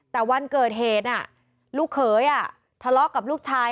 แต่วันเกิดเหตุลูกเขยทะเลาะกับลูกชาย